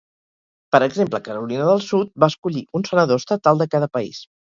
Per exemple, Carolina del Sud va escollir un senador estatal de cada país.